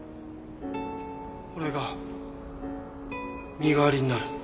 俺が身代わりになる。